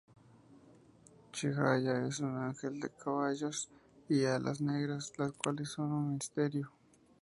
Chihaya es un ángel de cabellos y alas negras, las cuales son un misterio.